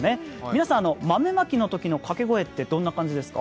皆さん、豆まきのときの掛け声ってどんな感じですか？